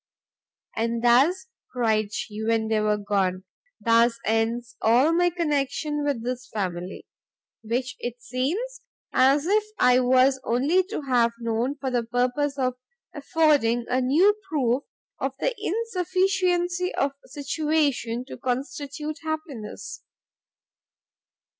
"And thus," cried she, when they were gone, "thus ends all my connection with this family! which it seems as if I was only to have known for the purpose of affording a new proof of the insufficiency of situation to constitute happiness.